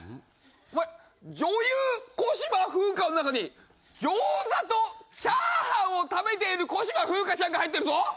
お前「女優小芝風花」の中に「餃子とチャーハンを食べている小芝風花ちゃん」が入ってるぞ！